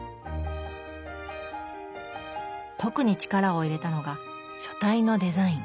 特に力を入れたのが書体のデザイン。